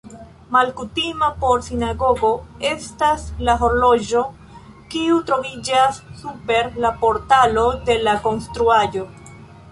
Malkutima por sinagogo estas la horloĝo, kiu troviĝas super la portalo de la konstruaĵo.